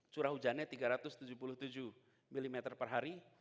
curah hujannya tiga ratus tujuh puluh tujuh mm per hari